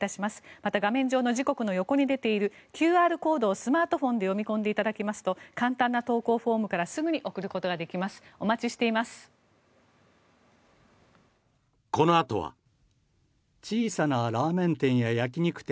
また、画面上の時刻の横に出ているＱＲコードをスマートフォンで読み込んでいただきますと簡単な投稿フォームからすぐに送ることができます。